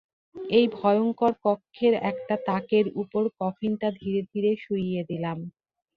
এই ভয়ঙ্কর কক্ষের একটা তাকের উপর কফিনটা ধীরে ধীরে শুইয়ে দিলাম।